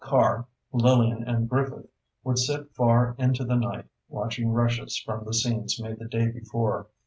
Carr, Lillian and Griffith would sit far into the night, watching rushes from the scenes made the day before.